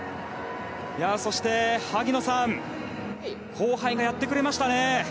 そして、萩野さん後輩がやってくれましたね。